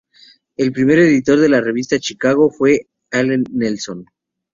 El primer editor de la revista "Chicago" fue Allen Nelson.